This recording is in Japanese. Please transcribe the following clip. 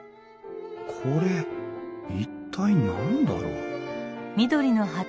これ一体何だろう？